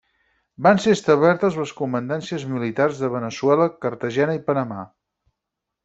Van ser establertes les comandàncies militars de Veneçuela, Cartagena i Panamà.